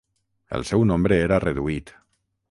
El seu nombre era reduït.